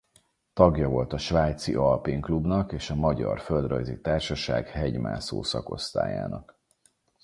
Tagja volt a Svájci Alpin Clubnak és a Magyar Földrajzi Társaság Hegymászó Szakosztályának.